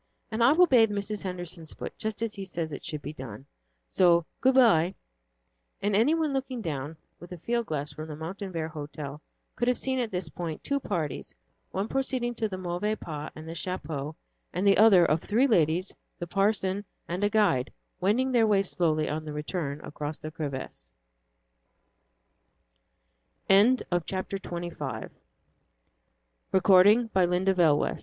"And I will bathe Mrs. Henderson's foot just as he says it should be done, so good by," and any one looking down with a field glass from the Montanvert hotel, could have seen at this point, two parties, one proceeding to the Mauvais Pas and the Chapeau, and the other of three ladies, the parson and a guide, wending their way slowly on the return across the crevasses. XXVI "WELL, HERE WE ARE IN PARIS!" Notwithstanding all the glory of the